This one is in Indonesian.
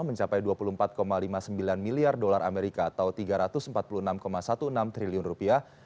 mencapai dua puluh empat lima puluh sembilan miliar dolar amerika atau tiga ratus empat puluh enam enam belas triliun rupiah